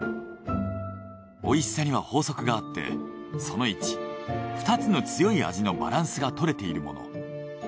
美味しさには法則があってその１２つの強い味のバランスが取れているもの。